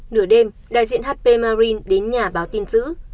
nửa đêm đại diện hp marin đến nhà báo tin giữ